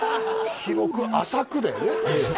広く浅くだよね